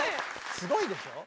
すごいでしょ。